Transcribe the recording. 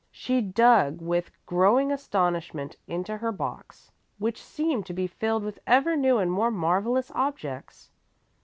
She dug with growing astonishment into her box, which seemed to be filled with ever new and more marvellous objects.